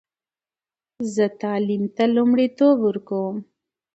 زه تعلیم ته لومړیتوب ورکوم.